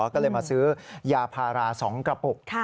ก็เลยมาซื้อยาพารา๒กระปุก